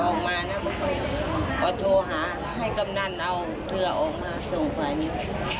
ออกมานะก็โทรหาให้กำนันเอาเพื่อออกมาสู่ฝ่ายนี้